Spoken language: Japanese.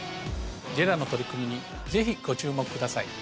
ＪＥＲＡの取り組みにぜひご注目ください。